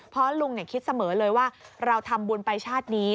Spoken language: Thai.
เพราะลุงคิดเสมอเลยว่าเราทำบุญไปชาตินี้